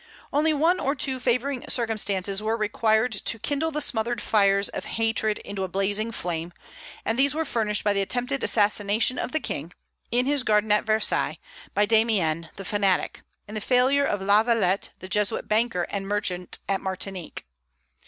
Only one or two favoring circumstances were required to kindle the smothered fires of hatred into a blazing flame, and these were furnished by the attempted assassination of the King, in his garden at Versailles, by Damiens the fanatic, and the failure of La Valette the Jesuit banker and merchant at Martinique.